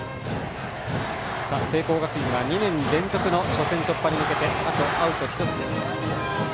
聖光学院は２年連続の初戦突破に向けてあと、アウト１つです。